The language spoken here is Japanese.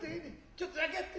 ちょっとだけやって。